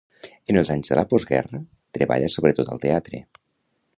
En els anys de la postguerra, treballa sobretot al teatre.